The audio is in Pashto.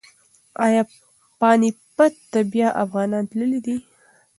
ایا پاني پت ته بیا افغانان تللي دي؟